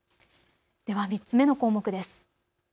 では３つ目の項目です。